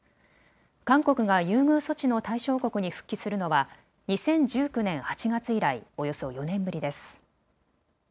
韓国が優遇措置の対象国に復帰するのは２０１９年８月以来、およそ４年ぶりです。